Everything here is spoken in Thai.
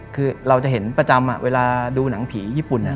คือเราจะเห็นประจำเวลาดูหนังผีญี่ปุ่น